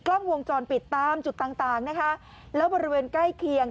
กล้องวงจรปิดตามจุดต่างต่างนะคะแล้วบริเวณใกล้เคียง